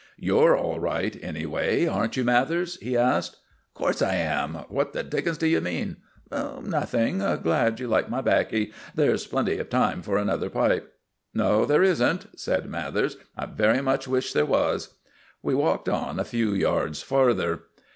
"You're all right, anyway, aren't you, Mathers?" he asked. "Of course I am. What the dickens d' you mean?" "Nothing. Glad you like my baccy. There's plenty of time for another pipe." "No there isn't," said Mathers. "I very much wish there was." We walked on a few yards farther.